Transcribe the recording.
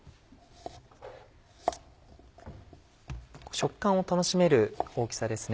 食感を楽しめる大きさですね。